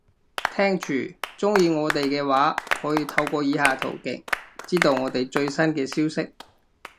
聽住，鍾意我哋嘅話，可以透過以下途徑，知道我哋最新嘅消息